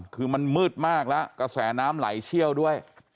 คือมันมืดมากแล้วกระแสน้ำไหลเชี่ยวด้วย